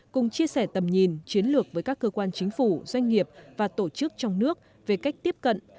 cùng chia sẻ tầm nhìn chiến lược với các cơ quan chính phủ doanh nghiệp và tổ chức trong nước về cách tiếp cận